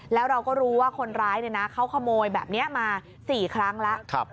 แล้วเราก็รู้ว่าคนร้ายเขาขโมยแบบนี้มา๔ครั้งแล้ว